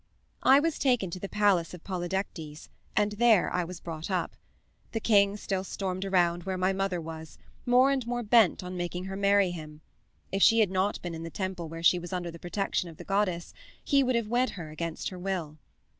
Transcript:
"I was taken to the palace of Polydectes, and there I was brought up. The king still stormed around where my mother was, more and more bent on making her marry him. If she had not been in the temple where she was under the protection of the goddess he would have wed her against her will.